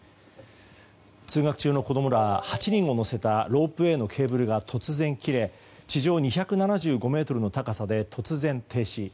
通学中の子供ら８人を乗せたロープウェーのケーブルが突然、切れ地上２７５ｍの高さで突然停止。